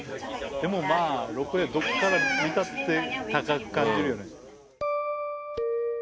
でもまあロープウェイどこから見たって高く感じるよね。